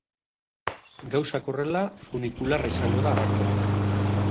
Gauzak horrela, funikularra izango da gakoa.